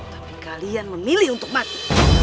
tapi kalian memilih untuk mati